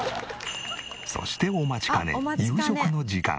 そしてお待ちかね夕食の時間。